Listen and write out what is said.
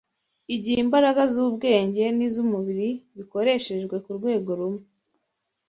igihe imbaraga z’ubwenge n’iz’umubiri bikoreshejwe ku rwego rumwe